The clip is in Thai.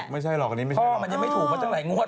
ไม่ใช่หรอกมันยังไม่ถูกเฉล้างรายงวด